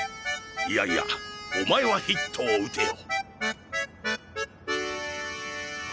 いやいやお前はヒットを打てよ。